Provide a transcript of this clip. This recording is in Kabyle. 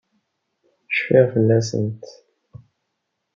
Cfiɣ fell-asent.